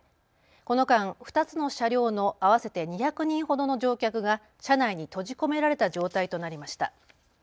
この間、２つの車両の合わせて２００人ほどの乗客が車内に閉じ込められた状態となりました。